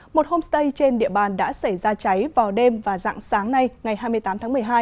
một homestay trên địa bàn đã xảy ra cháy vào đêm và dạng sáng nay ngày hai mươi tám tháng một mươi hai